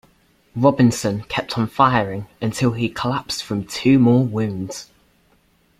Robinson kept on firing until he collapsed from two more wounds.